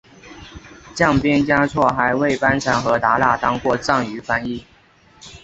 降边嘉措还为班禅和达赖当过藏语翻译。